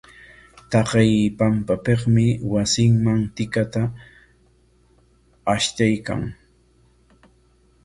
Taqay pampapikmi wasinman tikata ashtaykan.